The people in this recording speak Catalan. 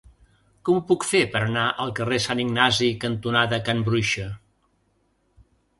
Com ho puc fer per anar al carrer Sant Ignasi cantonada Can Bruixa?